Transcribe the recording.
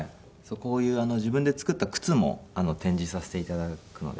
こういう自分で作った靴も展示させて頂くので。